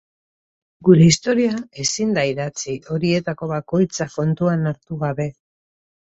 Gure historia ezin da idatzi horietako bakoitza kontuan hartu gabe.